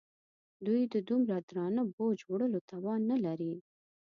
دوی د دومره درانه بوج وړلو توان نه لري.